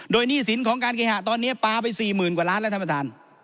โดยหนี้สินของการเคหะตอนนี้ปลาไป๔๐กว่าล้านบาทและธรรมฐาน